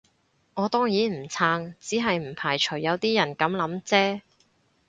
我當然唔撐，只係唔排除有啲人噉諗啫